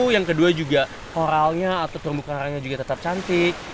yang kedua juga koralnya atau terumbu karangnya juga tetap cantik